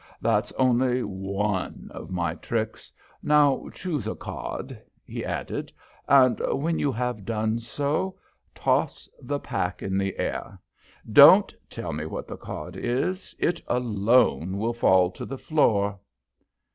That's only one of my tricks. Now choose a card," he added, "and when you have done so, toss the pack in the air. Don't tell me what the card is; it alone will fall to the floor."